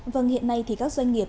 vâng hiện nay thì các doanh nghiệp